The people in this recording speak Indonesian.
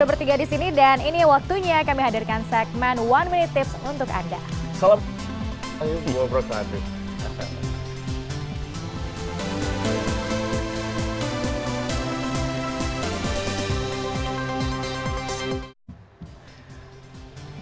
bertiga disini dan ini waktunya kami hadirkan segmen one minute tips untuk anda selamat